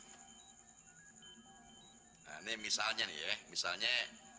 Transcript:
nah ini misalnya nih ya misalnya